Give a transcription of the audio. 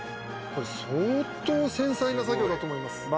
これ相当繊細な作業だと思います